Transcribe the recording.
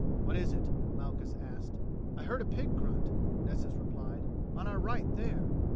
"What is it?" Malchus asked. "I heard a pig grunt," Nessus replied, "on our right there."